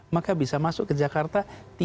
maka bisa masuk ke jakarta tiga dua ratus